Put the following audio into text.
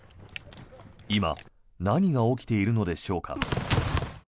今、何が起きているのでしょうか。